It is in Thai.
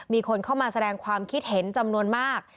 มีคนเข้ามาแสดงความคิดเห็นจำนวนมาก